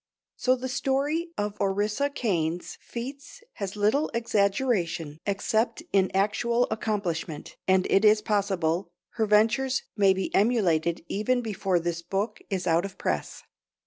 So the story of Orissa Kane's feats has little exaggeration except in actual accomplishment, and it is possible her ventures may be emulated even before this book is out of press.